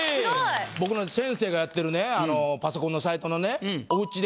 僕なんて先生がやってるパソコンのサイトの。